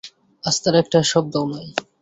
আস্থার একটা শব্দও নয়।